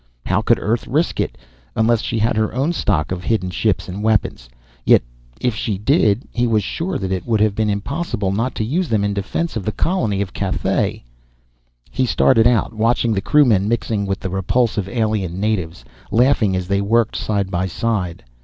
How could Earth risk it, unless she had her own stock of hidden ships and weapons? Yet if she did, he was sure that it would have been impossible not to use them in defense of the colony of Cathay. He stared out, watching the crewmen mixing with the repulsive alien natives, laughing as they worked side by side.